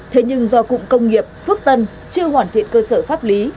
thế nhưng do cụm công nghiệp phước tân chưa hoàn thiện cơ sở pháp lý